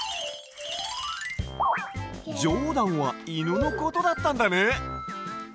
ジョーダンはいぬのことだったんだね。